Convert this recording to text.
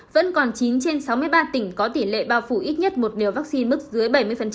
vẫn còn chín trên sáu mươi ba tỉnh có tỷ lệ bao phủ ít nhất một liều vaccine mức dưới bảy mươi